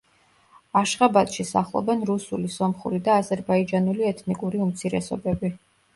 აშხაბადში სახლობენ რუსული, სომხური და აზერბაიჯანული ეთნიკური უმცირესობები.